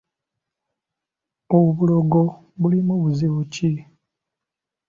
Obulogo bulimu buzibu ki?